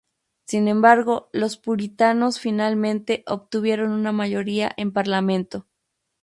Sin embargo, los Puritanos, finalmente, obtuvieron una mayoría en Parlamento.